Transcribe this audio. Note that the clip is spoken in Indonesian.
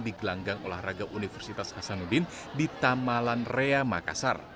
di gelanggang olahraga universitas hasanuddin di tamalan rea makassar